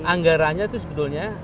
anggaranya itu sebetulnya